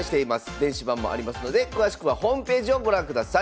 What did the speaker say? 電子版もありますので詳しくはホームページをご覧ください。